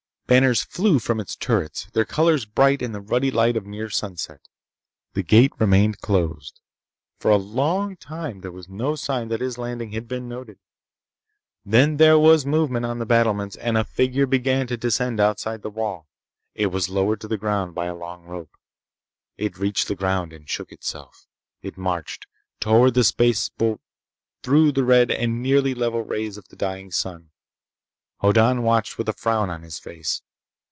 Banners flew from its turrets, their colors bright in the ruddy light of near sunset. The gate remained closed. For a long time there was no sign that his landing had been noted. Then there was movement on the battlements, and a figure began to descend outside the wall. It was lowered to the ground by a long rope. It reached the ground and shook itself. It marched, toward the spaceboat through the red and nearly level rays of the dying sun. Hoddan watched with a frown on his face.